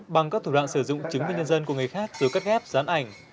bằng các thủ đoạn sử dụng chứng minh nhân dân của người khác rồi cắt ghép dán ảnh